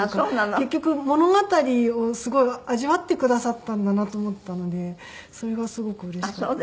結局物語をすごい味わってくださったんだなと思ったのでそれがすごくうれしかった。